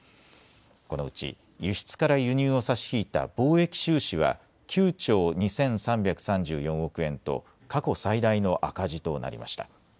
このうち輸出から輸入を差し引いた貿易収支は９兆２３３４億円と過去最大の赤字となりました。